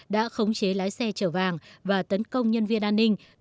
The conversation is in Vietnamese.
đã khống chế lái xe chở vàng và tấn công nhân viên an ninh